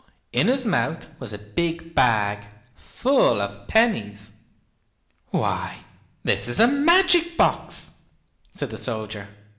in his mouth was a big bag, full of pennies. "Why, this is a magic box," said the soldier.